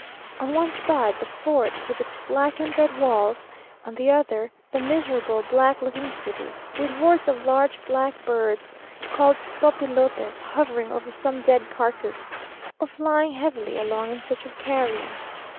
On one side, the fort, with its black and red walls: on the other, the miserable, black looking city, with hordes of large black birds, called sopilotes, hovering over some dead carcass, or flying heavily along in search of carrion.